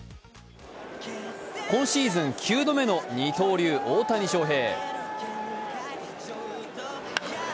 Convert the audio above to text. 今シーズン９度目の二刀流大谷翔平。